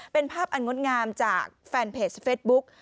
เป็นภาพอันงดงามจากแฟนเพจเฟสบุ๊ก